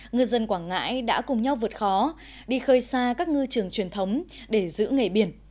ngư dân quảng ngãi đã cùng nhau vượt khó đi khơi xa các ngư trường truyền thống để giữ nghề biển